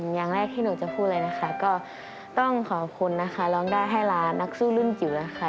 อย่างแรกที่หนูจะพูดเลยนะคะก็ต้องขอบคุณนะคะร้องได้ให้ล้านนักสู้รุ่นจิ๋วนะคะ